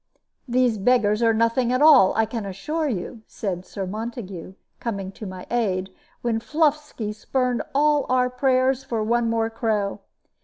"These beggars are nothing at all, I can assure you," said Sir Montague, coming to my aid, when Fluffsky spurned all our prayers for one more crow.